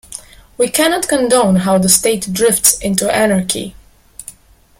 We cannot condone how the state drifts into anarchy.